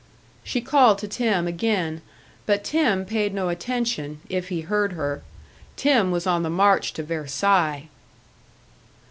She called to Tim again; but Tim paid no attention, if he heard her. Tim was on the march to Versailles!